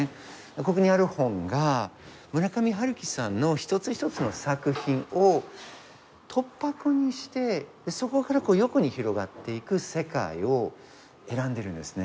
ここにある本が村上春樹さんの一つ一つの作品を突破口にしてそこから横に広がっていく世界を選んでるんですね